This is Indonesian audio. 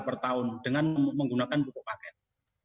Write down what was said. per tahun dengan menggunakan pupuk pakaian